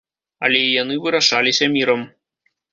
Але і яны вырашаліся мірам.